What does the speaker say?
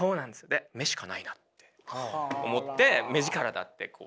で目しかないなって思って目力だって。